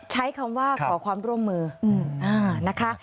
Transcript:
ใช้คำว่าขอความร่วมมือนะคะ